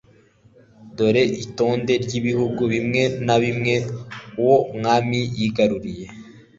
Dore Itonde ry'ibihugu bimwe na bimwe uwo mwami yigaruriye